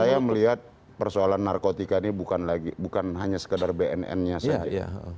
saya melihat persoalan narkotika ini bukan hanya sekedar bnn nya saja